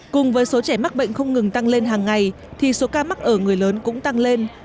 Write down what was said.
cùng với số trẻ mắc bệnh không ngừng tăng lên hàng ngày thì số ca mắc ở người lớn cũng tăng lên